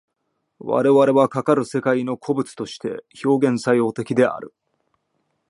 我々はかかる世界の個物として表現作用的である。